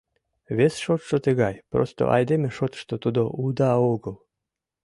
Вес шотшо тыгай, — просто айдеме шотышто тудо уда огыл.